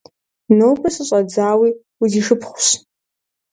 Нобэ щыщӀэдзауи узишыпхъущ!